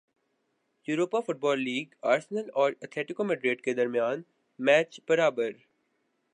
Europa football league Arsenal اور Atletico Madrid کے درمیان میچ برابر